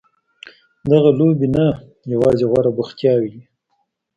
دغه لوبې نه یوازې غوره بوختیاوې دي.